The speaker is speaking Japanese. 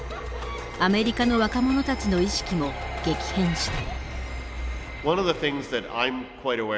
アメリカの若者たちの意識も激変した。